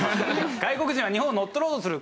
外国人は日本を乗っ取ろうとする。